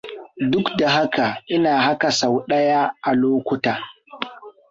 Duk da haka ina haka sau ɗaya a lokuta.